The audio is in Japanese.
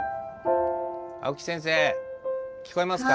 青木先生聞こえますか？